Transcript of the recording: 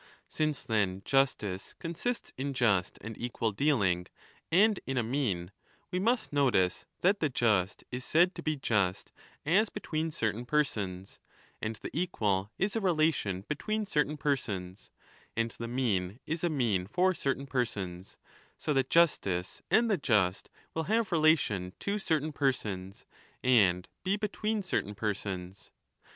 Since, then, j ustice consists in just and equal dealing and in a mean, we must notice that the just is said to be just 35 as between certain persons, and the equal is a relation between certain persons, and the mean is a mean for certain persons ; so that justice and the just will have relation to certain persons and be between certain persons.